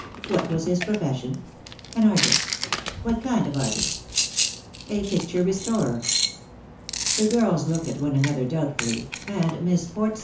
What was his pro fession? An artist. What kind of artist P A picture restorer. The girls looked at one another doubtfully, and Miss Port ISO Lost for Love.